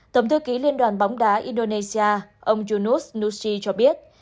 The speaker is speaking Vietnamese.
tổng thư ký liên đoàn bóng đá indonesia ông junus nusi cho biết